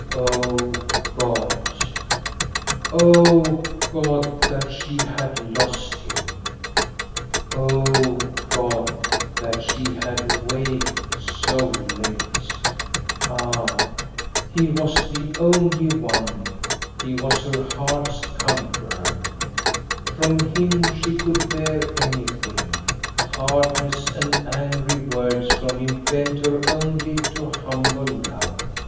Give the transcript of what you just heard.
O God, O God, that she had lost him ! O God, that she had waked so late ! Ah, he was the only one, he was her heart's con queror ! From him she could bear anything. Hard ness and angry words from him bent her only to humble love.